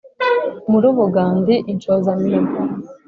mu rubuga ndi inshozamihigo,